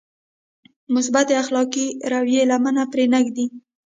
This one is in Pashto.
مثبتې اخلاقي رويې لمنه پرې نهږدي.